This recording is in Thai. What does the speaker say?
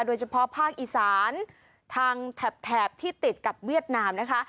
โดยเฉพาะภาคอีสานทางแถบที่ติดกับเวียดนามนะคะ